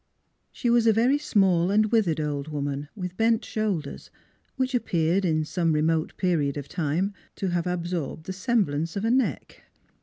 She was a very small and withered old woman with bent shoulders, which appeared in some remote period of time to have absorbed the semblance of a neck.